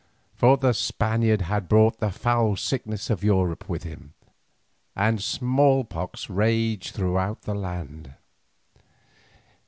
For the Spaniard had brought the foul sicknesses of Europe with him, and small pox raged throughout the land.